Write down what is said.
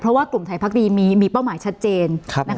เพราะว่ากลุ่มไทยพักดีมีเป้าหมายชัดเจน